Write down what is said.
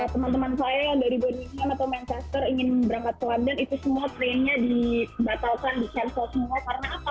teman teman saya yang dari born atau manchester ingin berangkat ke london itu semua trainnya dibatalkan di chancel semua karena apa